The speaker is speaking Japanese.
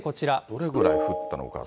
どれぐらい降ったのか。